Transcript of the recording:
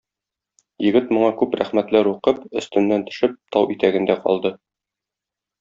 Егет моңа күп рәхмәтләр укып, өстеннән төшеп, тау итәгендә калды.